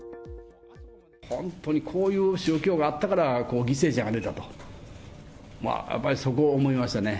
本当にこういう宗教があったから犠牲者が出たと、やっぱりそこを思いましたね。